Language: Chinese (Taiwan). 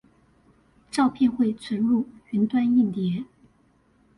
照片會存入雲端硬碟